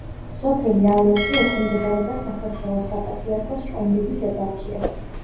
სოფელი ალერტი ექვემდებარება საქართველოს საპატრიარქოს ჭყონდიდის ეპარქიას.